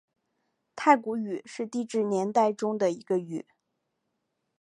太古宙是地质年代中的一个宙。